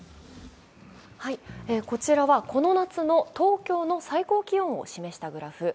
こちらはこの夏の東京の最高気温を示したグラフ。